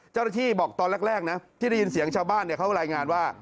เจ้าหน้าที่บอกตอนแรกนะที่ได้ยินเสียงชาวบ้านเขารายงานว่า